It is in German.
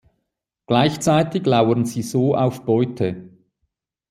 Gleichzeitig lauern sie so auf Beute.